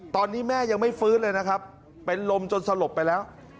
ตอนนี้แม่ยังไม่ฟื้นเลยนะครับเป็นลมจนสลบไปแล้ว